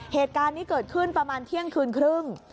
เหตุการณ์นี้เกิดขึ้นประมาณเที่ยงคืนครึ่ง